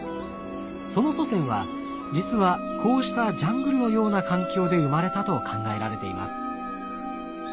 その祖先は実はこうしたジャングルのような環境で生まれたと考えられています。